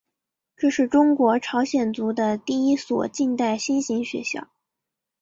这是中国朝鲜族的第一所近代新型学校。